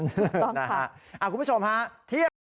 ถูกต้องค่ะคุณผู้ชมฮะเทียบ